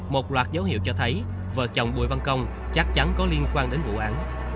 một loạt dấu hiệu cho thấy vợ chồng bùi văn công chắc chắn có liên quan đến vụ án